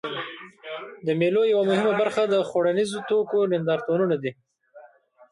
د مېلو یوه مهمه برخه د خوړنیزو توکو نندارتونونه دي.